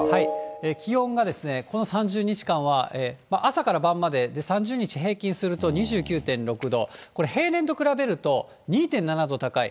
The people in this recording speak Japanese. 気温がこの３０日間は、朝から晩まで３０日平均すると２９．６度、これ、平年と比べると２．７度高い。